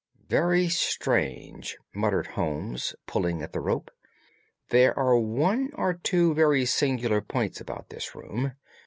"Very strange!" muttered Holmes, pulling at the rope. "There are one or two very singular points about this room.